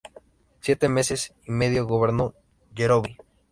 Siete meses y medio gobernó Yerovi.